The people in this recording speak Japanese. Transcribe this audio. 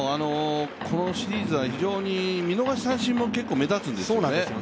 このシリーズは非常に見逃し三振も結構目立つんですよね。